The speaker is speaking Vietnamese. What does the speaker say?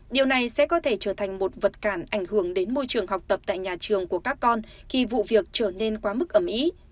điều này sẽ có thể trở thành một vật cản ảnh hưởng đến môi trường học tập tại nhà trường của các con khi vụ việc trở nên quá mức ẩm ý